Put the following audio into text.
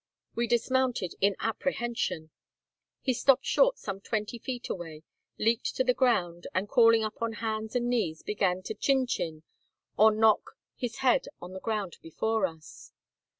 We dismounted in apprehension. He stopped short some twenty feet away, leaped to the ground, and, crawling up on hands and knees, began to chin chin or knock his head on the ground before us.